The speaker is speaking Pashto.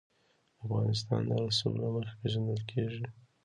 افغانستان د رسوب له مخې پېژندل کېږي.